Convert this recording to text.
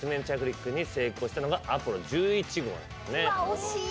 惜しい。